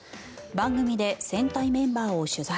番組で戦隊メンバーを取材。